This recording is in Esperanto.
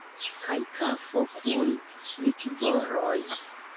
Kaj kafo kun likvoroj.